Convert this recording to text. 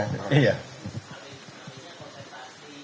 artinya konsentrasi tidak apa apa berbeda